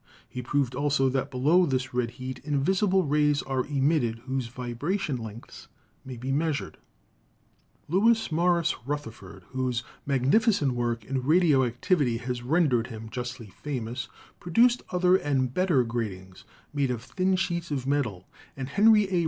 He proved also that below this red heat invisible rays are emitted whose vibration lengths may be measured. Lewis Morris Rutherford, whose magnificent work in radio activity has rendered him justly famous, produced other and better gratings made of thin sheets of metal, and Henry A.